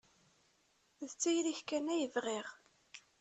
D tayri-k kan ay bɣiɣ.